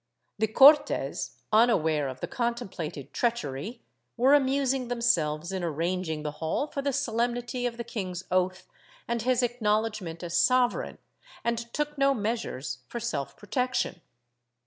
The Cortes, unaware of the contemplated treachery, were amusing themselves in arranging the hall for the solemnity of the king's oath and his acknowledgement as sovereign, and took no measures for self protection.